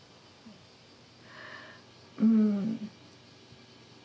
うん。